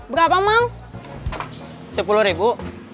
berapa mau sepuluh